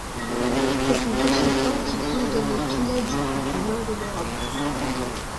C'est une petite plante qui pousse dans les pinèdes du nord de l'Europe.